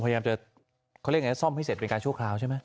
พยายามจะเขาเรียกไงซ่อมให้เสร็จเป็นการชั่วคราวใช่ไหม